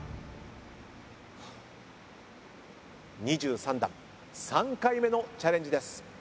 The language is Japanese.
２３段３回目のチャレンジです。